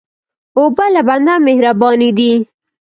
اوبه له بنده مهربانې دي.